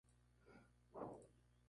Sorolla estaba en ese momento en París.